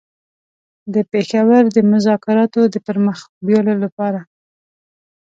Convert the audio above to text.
د پېښور د مذاکراتو د پر مخ بېولو لپاره.